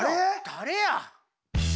誰や？